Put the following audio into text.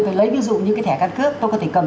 tôi lấy ví dụ như cái thẻ căn cước tôi có thể cầm